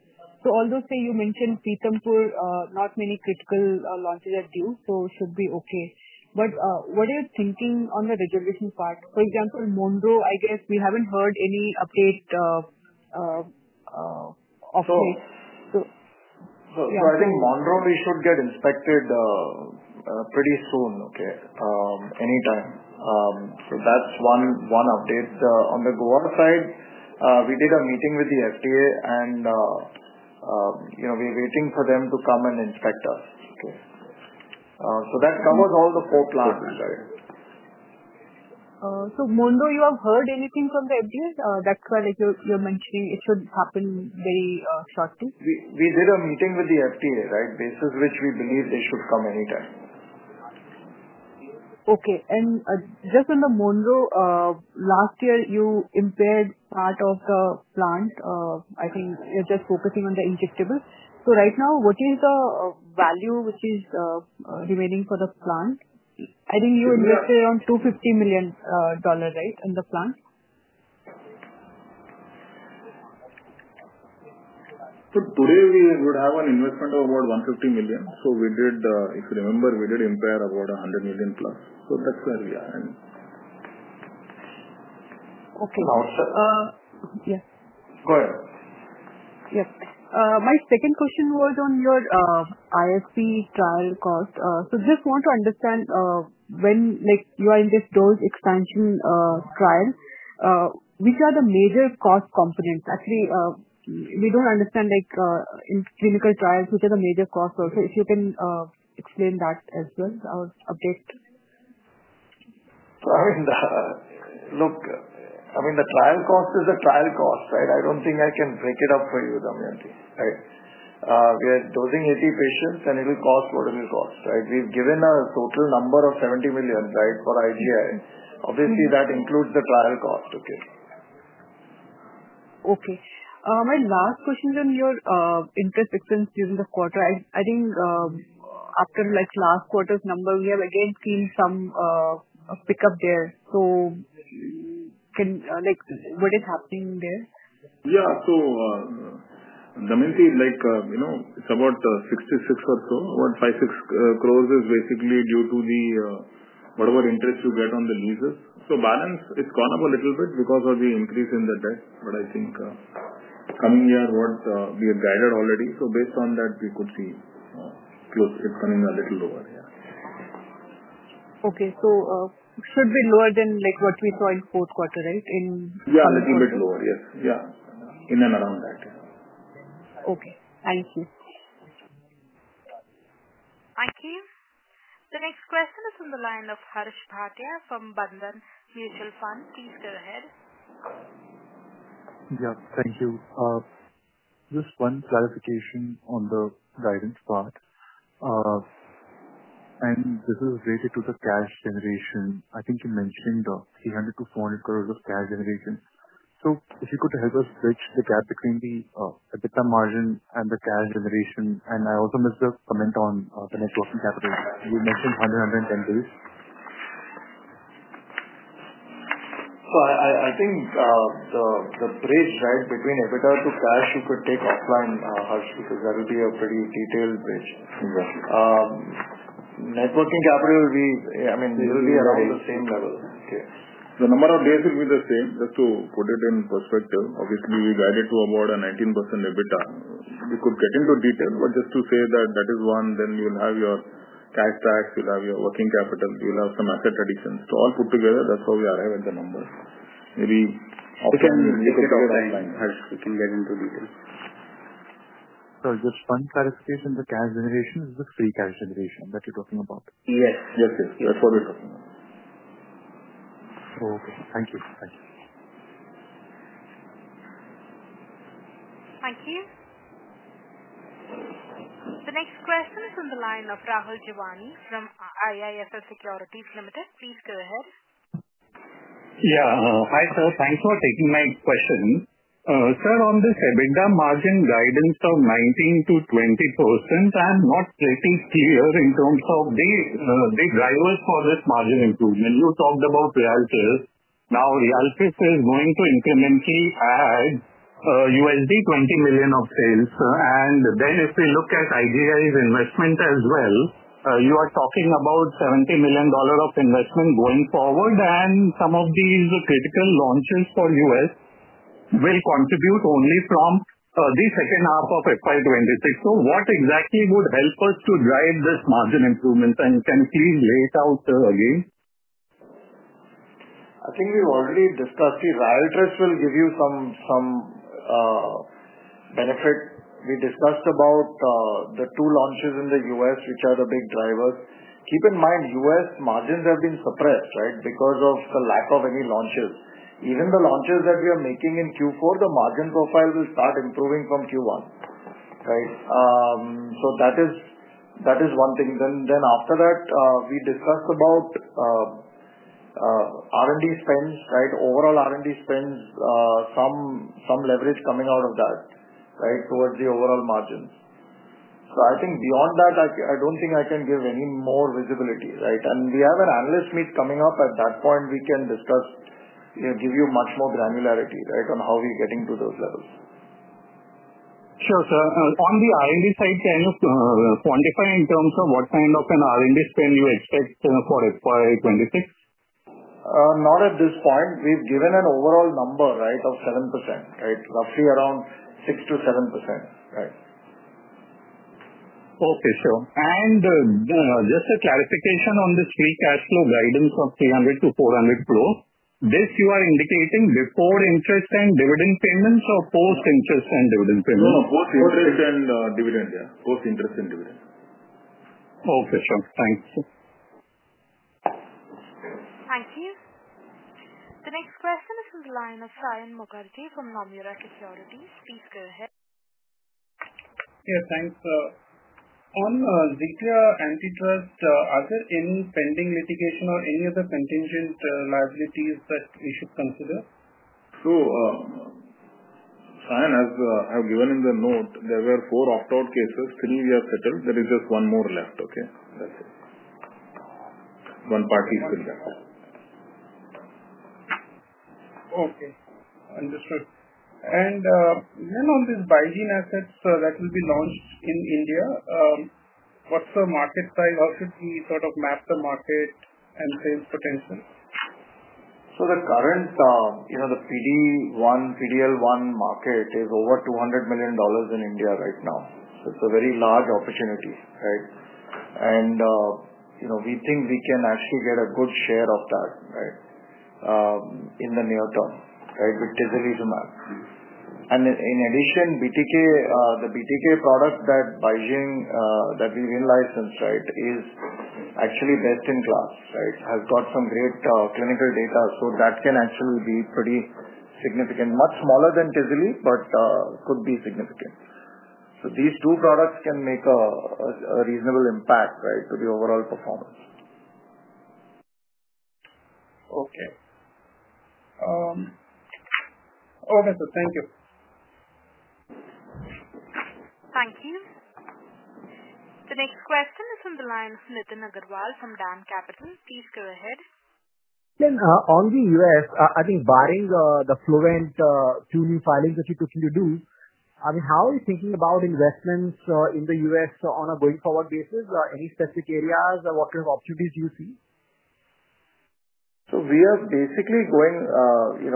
Although, say, you mentioned Pithampur, not many critical launches are due, so it should be okay. What are you thinking on the reservation part? For example, Monroe, I guess we haven't heard any update of late. I think Monroe should get inspected pretty soon, anytime. That's one update. On the Goa side, we did a meeting with the FDA, and we're waiting for them to come and inspect us. That covers all the four plants there. Monroe, have you heard anything from the FDA? That's why you're mentioning it should happen very shortly. We did a meeting with the FDA, right, basis which we believe they should come anytime. Just on the Monroe, last year, you impaired part of the plant. I think you're just focusing on the injectable. Right now, what is the value which is remaining for the plant? I think you invested around $250 million in the plant. Today, we would have an investment of about $150 million. We did, if you remember, impact about $100 million+. That's where we are. Okay. Go ahead. Yes. My second question was on your IFP trial cost. Just want to understand when you are in this dose expansion trial, which are the major cost components? Actually, we don't understand in clinical trials which are the major costs also. If you can explain that as well, that would update. I mean, look, the trial cost is the trial cost, right? I don't think I can break it up for you, Damayanti, right? We are dosing 80 patients, and it will cost what it will cost, right? We've given a total number of 70 million, right, for IGI. Obviously, that includes the trial cost, okay? Okay. My last question is on your interest expense during the quarter. I think after last quarter's number, we have again seen some pickup there. What is happening there? Yeah. Damayanti, it's about 66 million or so. About 56 million is basically due to the whatever interest you get on the leases. Balance, it's gone up a little bit because of the increase in the debt. I think coming year, we are guided already. Based on that, we could see it coming a little lower, yeah. Okay. It should be lower than what we saw in fourth quarter, right, in. Yeah. A little bit lower, yes. Yeah. In and around that, yes. Okay. Thank you. Thank you. The next question is from the line of Harsh Bhatia from Bandhan Mutual Fund. Please go ahead. Yeah. Thank you. Just one clarification on the guidance part. This is related to the cash generation. I think you mentioned 300 crores-400 crores of cash generation. If you could help us bridge the gap between the EBITDA margin and the cash generation. I also missed the comment on the networking capital. You mentioned 100-110 days. I think the bridge, right, between EBITDA to cash, you could take offline, Harsh, because that will be a pretty detailed bridge. Networking capital, I mean, it will be around the same level, okay? The number of days will be the same. Just to put it in perspective, obviously, we guided to about a 19% EBITDA. We could get into detail, but just to say that that is one, then you'll have your cash tax, you'll have your working capital, you'll have some asset additions. All put together, that's how we arrive at the number. Maybe offline, you could talk about it. Harsh, we can get into detail. Just one clarification. The cash generation is the free cash generation that you're talking about? Yes. Yes, yes. That's what we're talking about. Okay. Thank you. Thank you. Thank you. The next question is from the line of Rahul Jeewani from IIFL Securities Limited. Please go ahead. Yeah. Hi, sir. Thanks for taking my question. Sir, on this EBITDA margin guidance of 19%-20%, I'm not pretty clear in terms of the drivers for this margin improvement. You talked about Ryaltris. Now, Ryaltris is going to incrementally add $20 million of sales. If we look at IGI's investment as well, you are talking about $70 million of investment going forward, and some of these critical launches for the U.S. will contribute only from the second half of FY2026. What exactly would help us to drive this margin improvement? Can you please lay it out again? I think we've already discussed. The Ryaltris will give you some benefit. We discussed about the two launches in the U.S., which are the big drivers. Keep in mind, U.S. margins have been suppressed, right, because of the lack of any launches. Even the launches that we are making in Q4, the margin profile will start improving from Q1, right? That is one thing. After that, we discussed about R&D spends, right? Overall R&D spends, some leverage coming out of that, right, towards the overall margins. I think beyond that, I do not think I can give any more visibility, right? We have an analyst meet coming up. At that point, we can discuss, give you much more granularity, right, on how we are getting to those levels. Sure, sir. On the R&D side, can you quantify in terms of what kind of an R&D spend you expect for FY2026? Not at this point. We have given an overall number, right, of 7%, right, roughly around 6%-7%, right? Okay. Sure. Just a clarification on the free cash flow guidance of 300 crore-400 crore, this you are indicating before interest and dividend payments or post-interest and dividend payments? No, post-interest and dividend, yeah. Post-interest and dividend. Okay. Sure. Thanks. Thank you. The next question is from the line of Saion Mukherjee from Nomura Securities. Please go ahead. Yeah. Thanks. On Zetia antitrust, are there any pending litigation or any other contingent liabilities that we should consider? So Saion, as given in the note, there were four opt-out cases. Three we have settled. There is just one more left, okay? That's it. One party is still there. Okay. Understood. And then on this BeiGene assets that will be launched in India, what's the market size? How should we sort of map the market and sales potential? The current PD-1, PD-L1 market is over $200 million in India right now. It's a very large opportunity, right? We think we can actually get a good share of that, right, in the near term, right, with tislelizumab. In addition, the BTK product that we realized, right, is actually best in class, right, has got some great clinical data. That can actually be pretty significant. Much smaller than tisle, but could be significant. These two products can make a reasonable impact, right, to the overall performance. Okay. Thank you. The next question is from the line of Nitin Agarwal from DAM Capital. Please go ahead. On the U.S., I think barring the Flovent Q&A filings that you took me to do, I mean, how are you thinking about investments in the U.S. on a going-forward basis? Any specific areas or what kind of opportunities do you see? We are basically going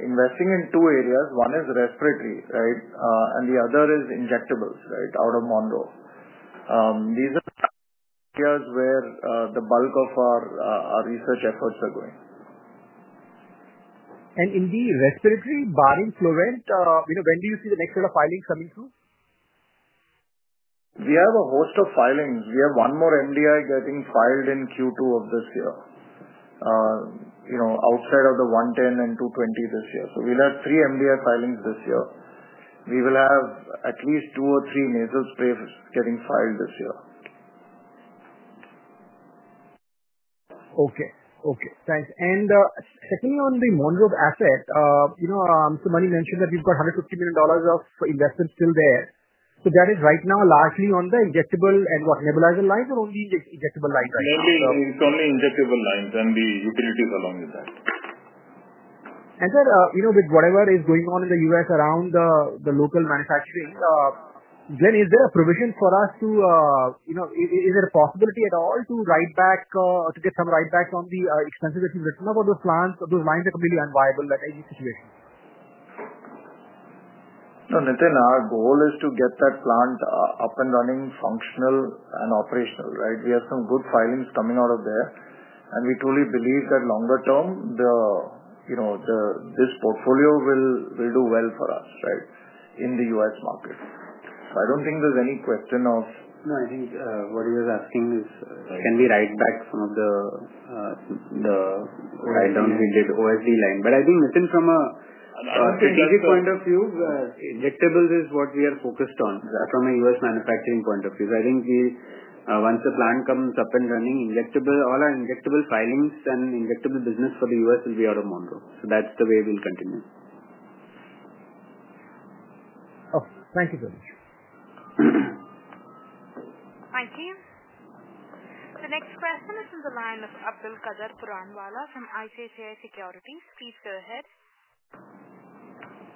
investing in two areas. One is respiratory, right, and the other is injectables, right, out of Monroe. These are the areas where the bulk of our research efforts are going. In the respiratory, barring Flovent, when do you see the next set of filings coming through? We have a host of filings. We have one more MDI getting filed in Q2 of this year, outside of the 110 and 220 this year. We will have three MDI filings this year. We will have at least two or three nasal sprays getting filed this year. Okay. Okay. Thanks. Secondly, on the Monroe asset, Mr. Mani mentioned that you've got $150 million of investment still there. That is right now largely on the injectable and what? Nebulizer lines or only injectable lines, right? Mainly, it's only injectable lines and the utilities along with that. Sir, with whatever is going on in the U.S. around the local manufacturing, Glenn, is there a provision for us to, is there a possibility at all to get some write-backs on the expenses that you've written about those plants? Those lines are completely unviable in any situation. No, Nitin, our goal is to get that plant up and running, functional, and operational, right? We have some good filings coming out of there. We truly believe that longer term, this portfolio will do well for us, right, in the U.S. market. I do not think there is any question of. No, I think what he was asking is, can we write back some of the write-down we did, OSD line? I think, Nitin, from a strategic point of view, injectables is what we are focused on from a U.S. manufacturing point of view. I think once the plant comes up and running, all our injectable filings and injectable business for the U.S. will be out of Monroe. That's the way we'll continue. Okay. Thank you very much. Thank you. The next question is from the line of Abdulkader Puranwala from ICICI Securities. Please go ahead.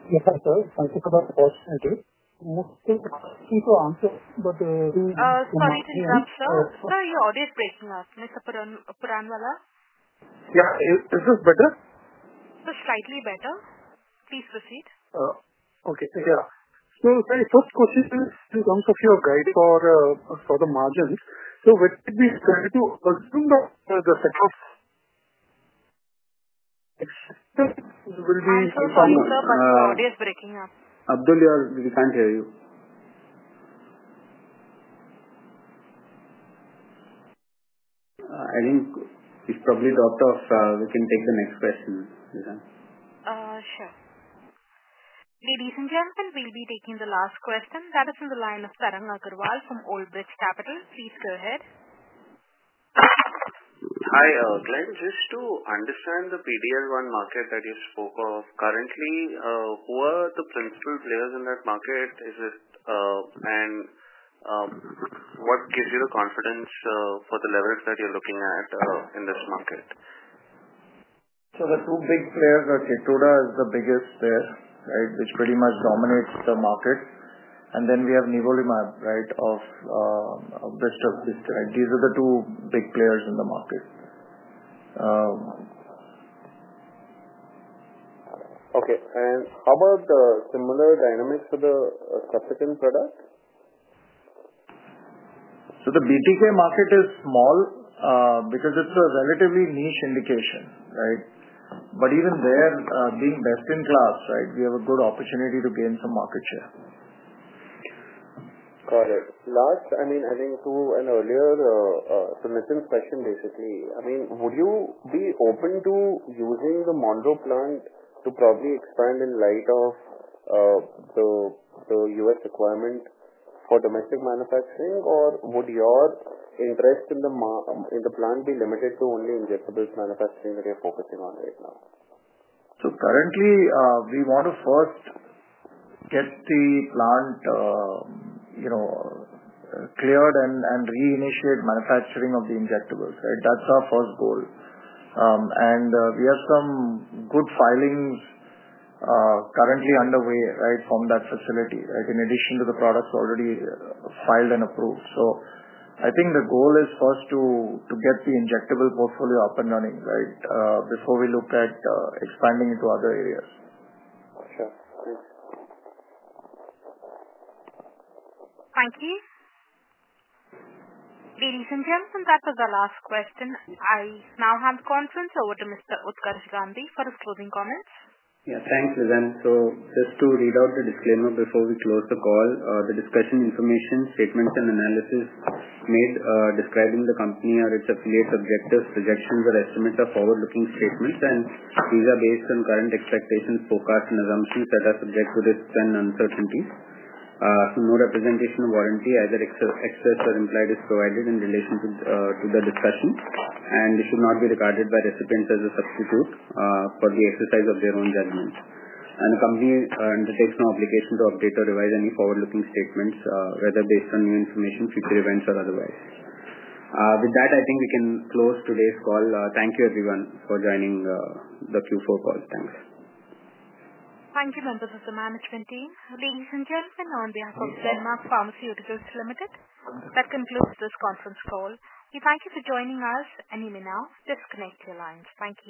Yes, sir. Thank you for that opportunity. I was thinking to answer, but. Sorry to interrupt, sir. Sorry, your audio is breaking up. Mr. Puranwala? Yeah. Is this better? Slightly better. Please proceed. Okay. Yeah. My first question is in terms of your guide for the margins. When it is ready to assume the second. Yes. Sorry, sir, but the audio is breaking up. Abdul, we can't hear you. I think it's probably dropped off. We can take the next question. Sure. Ladies and gentlemen, we'll be taking the last question. That is from the line of Tarang Agrawal from Old Bridge Capital. Please go ahead. Hi, Glenn. Just to understand the PD-L1 market that you spoke of, currently, who are the principal players in that market? What gives you the confidence for the leverage that you're looking at in this market? The two big players are Keytruda, is the biggest there, right, which pretty much dominates the market. Then we have Nivolumab, right, of Bristol. These are the two big players in the market. Okay. How about similar dynamics for the subsequent product? The BTK market is small because it's a relatively niche indication, right? Even there, being best in class, right, we have a good opportunity to gain some market share. Got it. Last, I mean, I think to an earlier submittance question, basically, I mean, would you be open to using the Monroe plant to probably expand in light of the U.S. requirement for domestic manufacturing, or would your interest in the plant be limited to only injectables manufacturing that you're focusing on right now? Currently, we want to first get the plant cleared and reinitiate manufacturing of the injectables, right? That's our first goal. We have some good filings currently underway, right, from that facility, right, in addition to the products already filed and approved. I think the goal is first to get the injectable portfolio up and running, right, before we look at expanding into other areas. Sure. Thank you. Ladies and gentlemen, that was the last question. I now hand the conference over to Mr. Utkarsh Gandhi for his closing comments. Yeah. Thanks, Lizan. Just to read out the disclaimer before we close the call, the discussion, information, statements, and analysis made describing the company or its affiliates' objectives, projections, or estimates are forward-looking statements, and these are based on current expectations, forecasts, and assumptions that are subject to risks and uncertainties. No representation or warranty, either express or implied, is provided in relation to the discussion, and it should not be regarded by recipients as a substitute for the exercise of their own judgment. The company undertakes no obligation to update or revise any forward-looking statements, whether based on new information, future events, or otherwise. With that, I think we can close today's call. Thank you, everyone, for joining the Q4 call. Thanks. Thank you, members of the management team. Ladies and gentlemen, on behalf of Glenmark Pharmaceuticals Limited, that concludes this conference call. We thank you for joining us, and you may now disconnect your lines. Thank you.